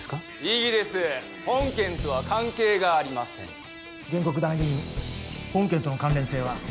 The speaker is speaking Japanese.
異議です本件とは関係がありません原告代理人本件との関連性は？